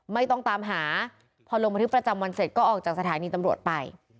ไม่ต้องตามหาพอลงบันทึกประจำวันเสร็จก็ออกจากสถานีตำรวจไป